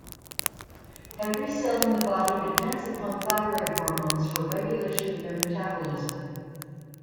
Every cell in the body depends upon thyroid hormones for regulation of their metabolism.